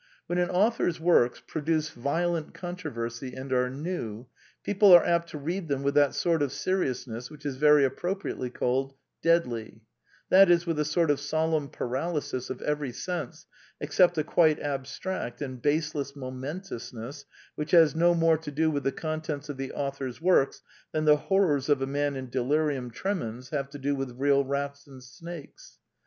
When an author's works produce violent con troversy, and are new, people are apt to read them with that sort of seriousness which is very appropriately called deadly: that is, with a sort of solemn paralysis of every sense except a quite abstract and baseless momentousness which has no more to do with the contents of the author's works than the horrors of a man in delirium tremens have to do with real rats and snakes.